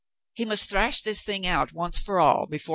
He must thrash this thing out once for all before